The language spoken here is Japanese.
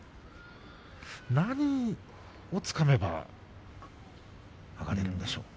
何をつかめばいいんでしょうか。